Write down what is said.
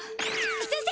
先生！